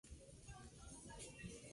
La cola ventral es de color azul negruzco.